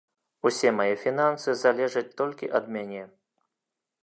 Усе мае фінансы залежаць толькі ад мяне.